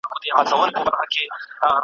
نوم یې هري دی په ځان غره دی `